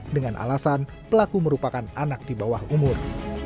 dengan alasan pelaku merupakan anak di bawah umur